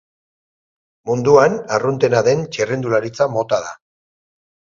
Munduan arruntena den txirrindularitza mota da.